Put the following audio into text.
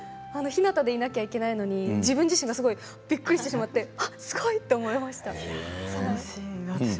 ひなたでなければいけないのに自分自身がすごくびっくりしてしまって、すごいと思いました。